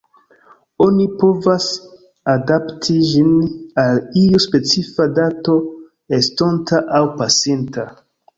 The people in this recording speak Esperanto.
Oni povas adapti ĝin al iu specifa dato estonta aŭ pasinta.